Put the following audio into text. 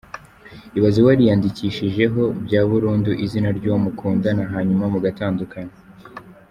Ibaze wariyandikishijeho bya burundu izina ry’uwo mukundana hanyuma mugatandukana ?!!!!.